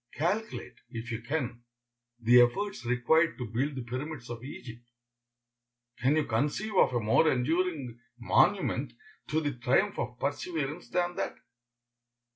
Calculate, if you can, the efforts required to build the pyramids of Egypt. Can you conceive of a more enduring monument to the triumph of perseverance than that?